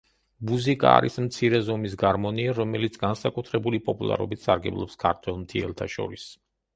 ბუზიკა არის მცირე ზომის გარმონი, რომელიც განსაკუთრებული პოპულარობით სარგებლობს ქართველ მთიელთა შორის.